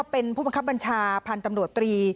เป็นผู้บังคับบัญชาพันธุ์ตำรวจตรี